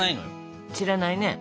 知らないね。